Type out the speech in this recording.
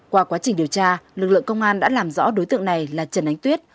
qua quá trình điều tra lực lượng công an đã làm rõ đối tượng này là trần ánh tuyết